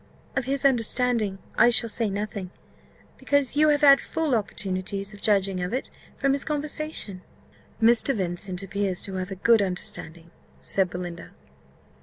Of his understanding I shall say nothing, because you have had full opportunities of judging of it from his conversation." "Mr. Vincent appears to have a good understanding," said Belinda.